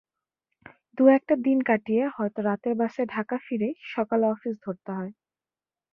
দু-একটা দিন কাটিয়ে হয়তো রাতের বাসে ঢাকা ফিরেই সকালে অফিস ধরতে হয়।